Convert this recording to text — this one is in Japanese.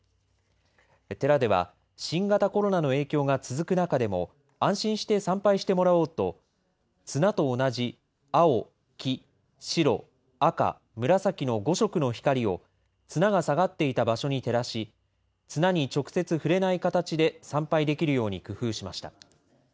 寺では、新型コロナの影響が続く中でも、安心して参拝してもらおうと、綱と同じ青、黄、白、赤、紫の５色の光を、綱が下がっていた場所に照らし、綱に直接触れない形で参拝できるように工夫しました。